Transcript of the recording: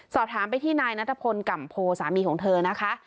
สอบถามไปที่นายนัทพลก่ำโพสามีของเธอนะคะ